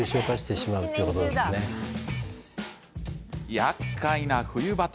やっかいな冬バテ。